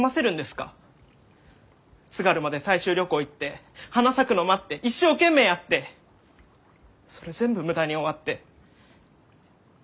津軽まで採集旅行行って花咲くの待って一生懸命やってそれ全部無駄に終わって。